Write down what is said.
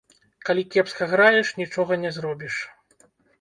Калі кепска граеш, нічога не зробіш.